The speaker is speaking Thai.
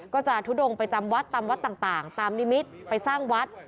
ก็จะทุดงไปจำวัดตามวัดต่างตามนิมิตรไปสร้างวัด